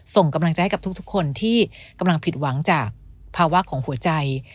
ส่งกำลังใจให้กับทุกคนที่กำลังผิดหวังจากภาวะของหัวใจ